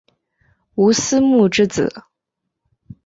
吴思穆之子。